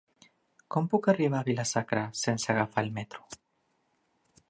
Com puc arribar a Vila-sacra sense agafar el metro?